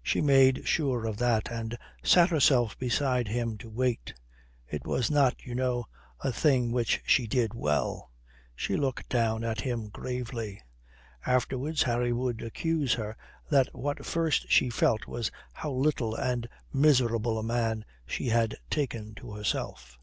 She made sure of that and sat herself beside him to wait. It was not, you know, a thing which she did well. She looked down at him gravely. Afterwards Harry would accuse her that what first she felt was how little and miserable a man she had taken to herself.